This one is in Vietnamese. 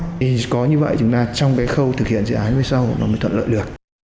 thì có như vậy chúng ta trong cái khâu thực hiện dự án về sau nó mới thuận lợi được